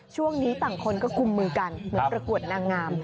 ช่วงนี้ต่างคนก็กุมมือกันเหมือนประกวดนางงาม